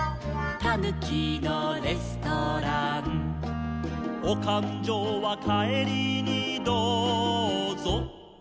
「たぬきのレストラン」「おかんじょうはかえりにどうぞと」